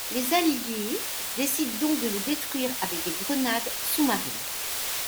Les alliés décident donc de le détruire avec des grenades sous-marines.